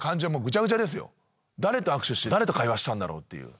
誰と握手して誰と会話したんだろうっていう。